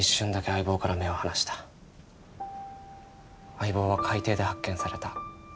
相棒は海底で発見された。